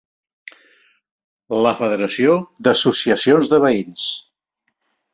La federació d'associacions de veïns.